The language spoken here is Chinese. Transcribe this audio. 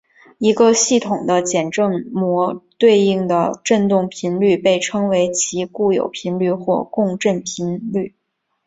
一个系统的简正模对应的振动频率被称为其固有频率或共振频率。